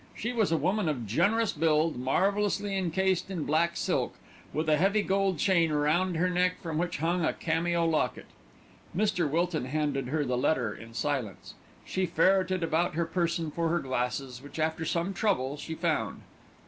She was a woman of generous build, marvellously encased in black silk, with a heavy gold chain round her neck from which hung a cameo locket. Mr. Wilton handed her the letter in silence. She ferreted about her person for her glasses, which after some trouble she found.